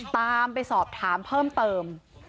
ตามไปสอบถามเพิ่มเติม